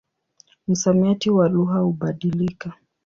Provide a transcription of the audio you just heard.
Msamiati wa lugha hubadilika.